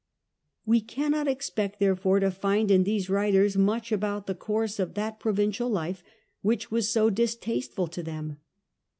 We cannot expect, there fore, to find in these writers much about the course of that provincial life which was so distasteful to them.